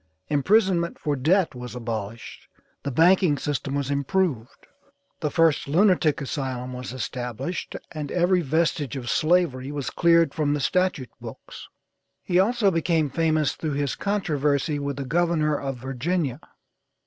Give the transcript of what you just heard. Imprisonment for debt was abolished, the banking system was improved, the first lunatic asylum was established, and every vestige of slavery was cleared from the statute books. He also became famous through his controversy with the Governor of Virginia.